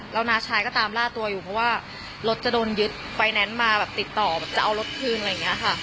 แล้วน้าชายก็ตามล่าตัวอยู่เพราะว่ารถจะโดนยึดไฟแนนซ์มาแบบติดต่อแบบจะเอารถคืนอะไรอย่างนี้ค่ะ